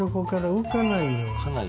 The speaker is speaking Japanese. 浮かないように。